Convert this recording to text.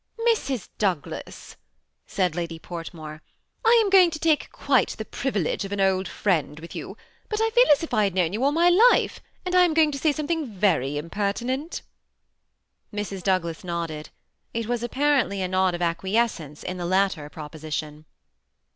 « Mrs. Douglas," said Lady Portmore, " I am go ing to take quite the privilege of an old friend with you ; but I feel as if I had known you all my life, and I am going to say something very impertinent." Mrs. Douglas nodded. It was apparently a nod of acquiescence in the latter proposition.